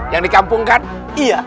yang di kampung kan iya